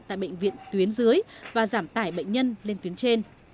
tại bệnh viện tuyến dưới và giảm tải bệnh nhân lên tuyến trên